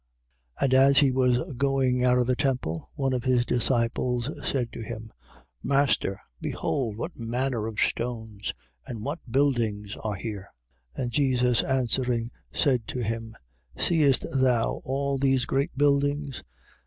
13:1. And as he was going out of the temple, one of his disciples said to him: Master, behold what manner of stones and what buildings are here. 13:2. And Jesus answering, said to him: Seest thou all these great buildings?